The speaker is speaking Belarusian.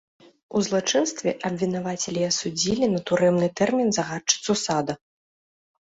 У злачынстве абвінавацілі і асудзілі на турэмны тэрмін загадчыцу сада.